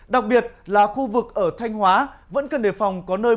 đặc biệt là khu vực ở thanh hóa vẫn cần đề phòng có nơi